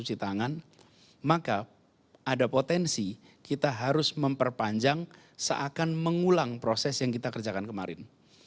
jika kita tidak bisa mencari tangan maka ada potensi kita harus memperpanjang seakan mengulang proses yang kita kerjakan kemarin